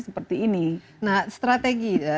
seperti ini nah strategi